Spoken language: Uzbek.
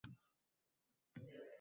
Qizlarimni sovchilar so`rab kelishyapti